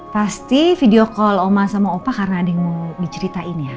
pasti video call oma sama opa karena ada yang mau diceritain ya